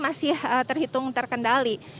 masih terhitung terkendali